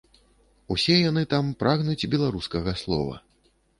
Усе яны там прагнуць беларускага слова.